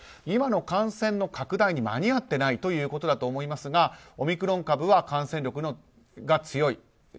今の感染の拡大に間に合っていないということだと思いますがオミクロン株は感染力が強い。